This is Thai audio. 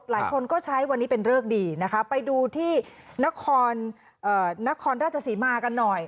หลายคนก็ใช้วันนี้เป็นเริกดีนะคะไปดูที่นครนครราชสีมากันหน่อย